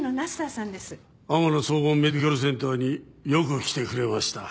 天乃総合メディカルセンターによく来てくれました。